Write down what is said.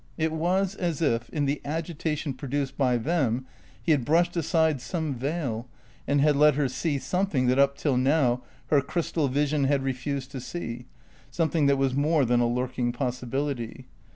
It was as if, in the agitation produced by them, he had brushed aside some veil and had let her see something that up till now her crystal vision had refused to see, something that was more than a lurking possibility.